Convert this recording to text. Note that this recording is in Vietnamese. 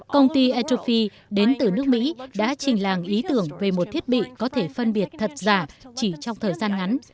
công ty ethofie đến từ nước mỹ đã trình làng ý tưởng về một thiết bị có thể phân biệt thật giả chỉ trong thời gian ngắn